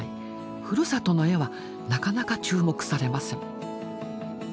ふるさとの絵はなかなか注目されません。